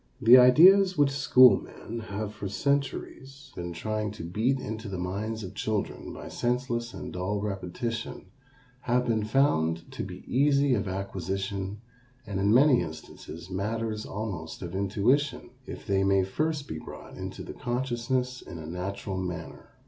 The ideas which school men have for centuries been trying to beat into the minds of children by senseless and dull repetition have been found to be easy of acquisition and in many instances matters almost of intuition if they may first be brought into the consciousness in a natural manner.